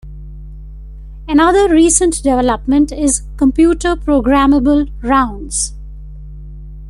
Another recent development is computer programmable rounds.